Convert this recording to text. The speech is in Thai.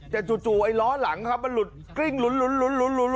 แต่จู่ร้อหลังครับมันหลุดกริ้งหลุ้นหลุ้นหลุ้นหลุ้น